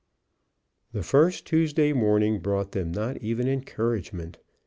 The first Tuesday morning brought them not even encouragement.